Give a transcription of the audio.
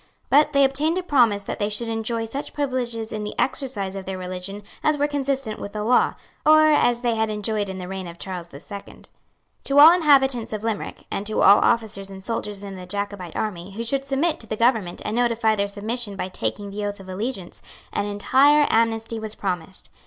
But they obtained a promise that they should enjoy such privileges in the exercise of their religion as were consistent with the law, or as they had enjoyed in the reign of Charles the Second. To all inhabitants of Limerick, and to all officers and soldiers in the Jacobite army, who should submit to the government and notify their submission by taking the oath of allegiance, an entire amnesty was promised.